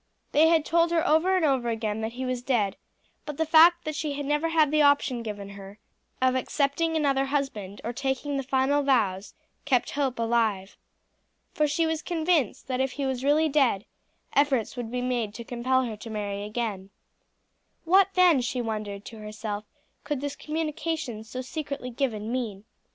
They had told her over and over again that he was dead; but the fact that she had never had the option given her of accepting another husband or taking the final vows kept hope alive. For she was convinced that if he was really dead, efforts would be made to compel her to marry again. What, then, she wondered to herself, could this communication so secretly given mean?